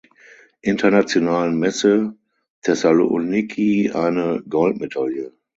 Internationalen Messe Thessaloniki eine Goldmedaille.